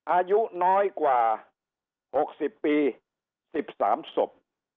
อายุน้อยกว่า๖๐ปี๑๓ศพ